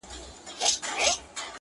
پر دې متل باندي څه شك پيدا سو_